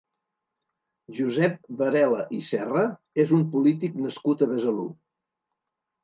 Josep Varela i Serra és un polític nascut a Besalú.